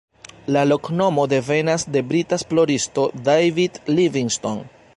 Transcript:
La loknomo devenas de brita esploristo David Livingstone.